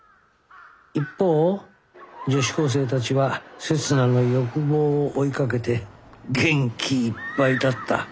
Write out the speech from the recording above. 一方女子高生たちは刹那の欲望を追いかけて元気いっぱいだった。